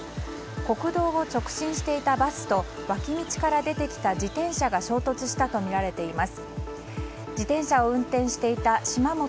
国道を直進していたバスと脇道から出てきた自転車が衝突したとみられています。